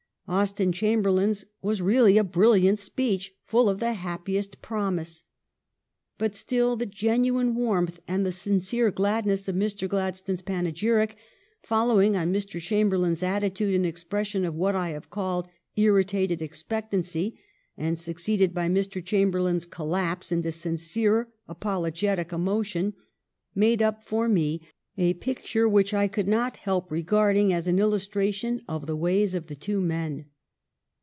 Austin Chamberlain's was really a brilliant speech, full of the happiest promise. But still the genuine warmth and the sincere gladness of Mr. Gladstone s panegyric, following on Mr. Chamberlain's attitude and expression of what I have called irritated ex pectancy and succeeded by Mr. Chamberlain's col lapse into sincere apologetic emotion, made up for me a picture which I could not help regarding as an illustration of the ways of the two men.